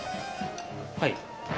はい。